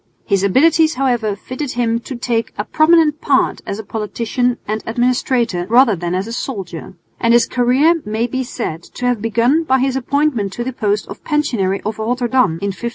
His abilities, however, fitted him to take a prominent part as a politician and administrator rather than as a soldier; and his career may be said to have begun by his appointment to the post of Pensionary of Rotterdam in 1576.